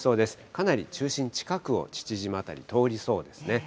かなり中心近くを父島辺り、通りそうですね。